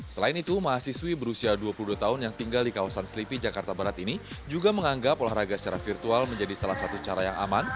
selain itu mahasiswi berusia dua puluh dua tahun yang tinggal di kawasan selipi jakarta barat ini juga menganggap olahraga secara virtual menjadi salah satu cara yang aman